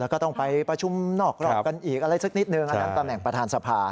แล้วก็ต้องไปประชุมนอกรอบกันอีกอะไรสักนิดนึงอันนั้นตำแหน่งประธานสภา